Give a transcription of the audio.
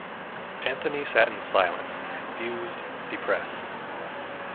Anthony sat in silence, confused, depressed.